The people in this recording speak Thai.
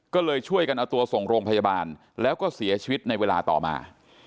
ก็เลยช่วยกันเอาตัวส่งโรงพยาบาลแล้วก็เสียชีวิตในเวลาต่อมา